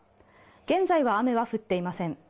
現在は雨は降っていません。